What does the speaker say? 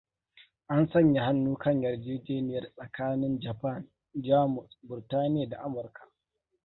An sanya hannu kan yarjejeniyar tsakanin Japan, Jamus, Burtaniya da Amurka.